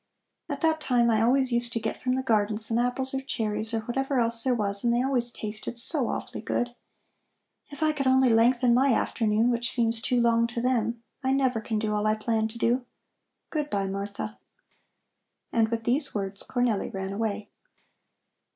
At that time I always used to get from the garden some apples or cherries or whatever else there was, and they always tasted so awfully good. If I only could lengthen my afternoon, which seems too long to them! I never can do all I plan to do. Good bye, Martha." And with these words Cornelli ran away.